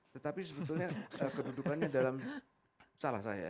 tetapi sebetulnya kedudukannya dalam salah saya